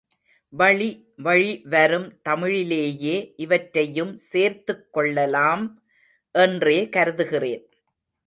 வழிவழி வரும் தமிழிலேயே இவற்றையும் சேர்த்துக் கொள்ளலாம் என்றே கருதுகிறேன்.